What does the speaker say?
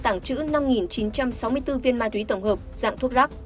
tảng trữ năm chín trăm sáu mươi bốn viên ma túy tổng hợp dạng thuốc rắc